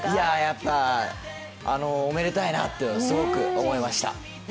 おめでたいなってすごく思いました。